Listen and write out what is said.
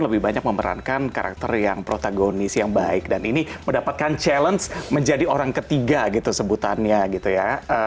lebih banyak memerankan karakter yang protagonis yang baik dan ini mendapatkan challenge menjadi orang ketiga gitu sebutannya gitu ya